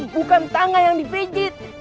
bukan tangan yang difijit